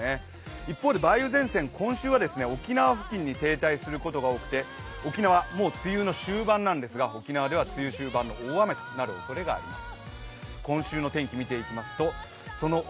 一方で梅雨前線、今週は沖縄付近にとどまることが多くて沖縄、もう梅雨の終盤なんですが、沖縄では大雨となるおそれがあります。